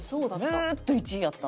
ずーっと１位やった。